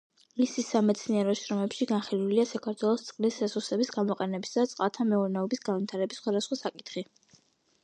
მის სამეცნიერო შრომებში განხილულია საქართველოს წყლის რესურსების გამოყენებისა და წყალთა მეურნეობის განვითარების სხვადასხვა საკითხი.